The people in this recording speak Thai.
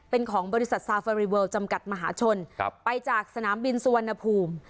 เป็นของบริษัทจำกัดมหาชนครับไปจากสนามบินสวรรณภูมิ